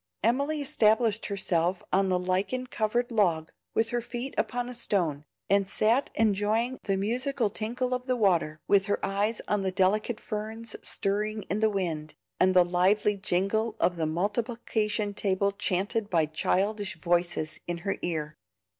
Emily established herself on the lichen covered log with her feet upon a stone, and sat enjoying the musical tinkle of the water, with her eyes on the delicate ferns stirring in the wind, and the lively jingle of the multiplication table chanted by childish voices in her ear.